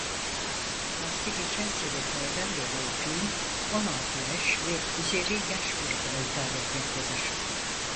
Bahsi geçen sebeplerden dolayı film on altı yaş ve üzeri yaş grubuna hitap etmektedir.